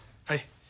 はい。